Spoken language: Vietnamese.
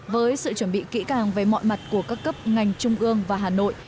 với sự chuẩn bị kỹ càng về mọi mặt của các cấp ngành trung ương và hà nội